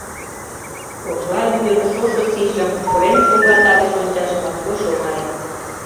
Ошла вӱдын шошо сийжым корем чоҥгата гыч ончаш моткоч оҥай.